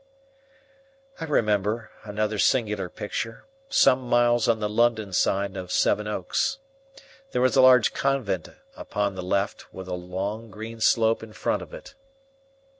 I remember another singular picture, some miles on the London side of Sevenoaks. There is a large convent upon the left, with a long, green slope in front of it.